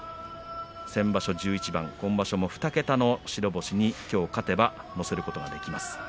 先場所１１番今場所、２桁の白星にきょう勝てば乗せることができます。